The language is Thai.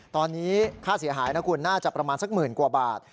ตอนนี้ค่าเสียหายนะคุณน่าจะประมาณสักหมื่นกว่าบาท